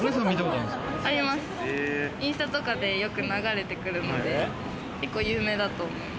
インスタとかでよく流れてくるので、結構有名だと思います。